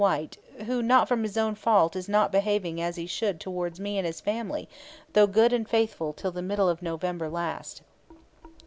White, who not from his own fault is not behaving as Hee should towards me and his family, although good and faithfull till the middle of November last.